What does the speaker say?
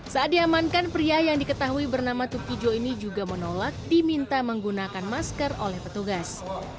saat diamankan pria yang diketahui bernama tukijo ini juga menolak diminta menggunakan masker oleh petugas